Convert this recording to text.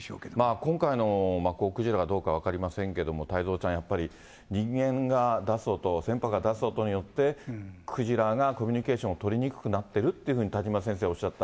今回のマッコウクジラがどうか分かりませんけども、太蔵ちゃん、やっぱり人間が出す音、船舶が出す音によって、クジラがコミュニケーションを取りにくくなっているというふうに田島先生おっしゃってた。